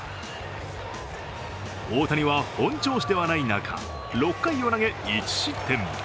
大谷は本調子ではない中、６回を投げ、１失点。